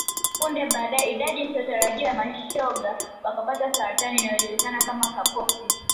Punde baadae idadi isiyotarajiwa ya mashoga wakapata saratani inayojulikana kama Kaposis